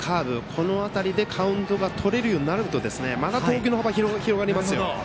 この辺りでカウントが取れるようになるとまた投球の幅が広がりますよ。